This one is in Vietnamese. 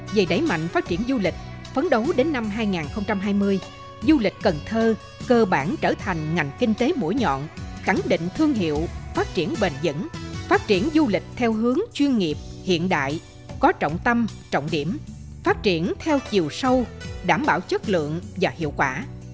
về đẩy mạnh phát triển du lịch phấn đấu đến năm hai nghìn hai mươi du lịch cần thơ cơ bản trở thành ngành kinh tế mũi nhọn khẳng định thương hiệu phát triển bền dẫn phát triển du lịch theo hướng chuyên nghiệp hiện đại có trọng tâm trọng điểm phát triển theo chiều sâu đảm bảo chất lượng và hiệu quả